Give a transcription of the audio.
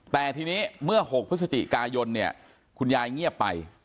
แต่ทีนี้เมื่อ๖พฤศจิกายนเนี่ยคุณยายเงียบไป